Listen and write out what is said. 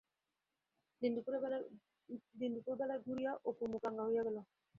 ঠিক-দুপুর বেলায় ঘুরিয়া অপুর মুখ রাঙা হইয়া গেল।